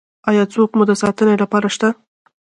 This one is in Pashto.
ایا څوک مو د ساتنې لپاره شته؟